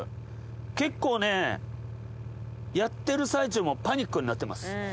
結構ね、やってる最中もパニックになってます。